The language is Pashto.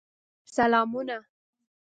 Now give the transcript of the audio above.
سلامونه !